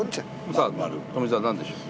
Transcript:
さあ富澤何でしょう？